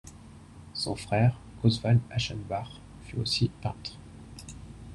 Son frère, Oswald Achenbach, fut aussi peintre.